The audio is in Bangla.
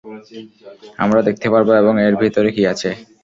আমরা দেখতে পারবো, এবং এর ভিতরে কি আছে।